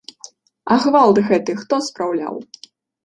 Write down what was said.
А гвалт гэты хто спраўляў?